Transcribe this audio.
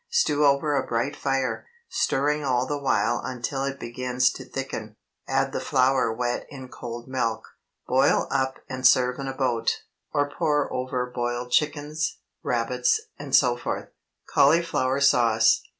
Stew over a bright fire, stirring all the while until it begins to thicken. Add the flour wet in cold milk, boil up and serve in a boat, or pour over boiled chickens, rabbits, etc. CAULIFLOWER SAUCE.